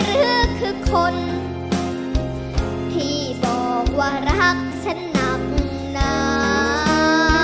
หรือคือคนที่บอกว่ารักฉันหนักหนา